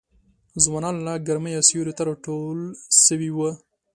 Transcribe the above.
ځوانان له ګرمیه سیوري ته راټول سوي وه